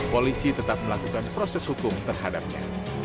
polisi tetap melakukan proses hukum terhadapnya